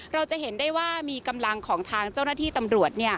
เราจะเห็นได้ว่ามีกำลังของทางเจ้าหน้าที่ตำรวจ